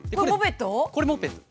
これモペット？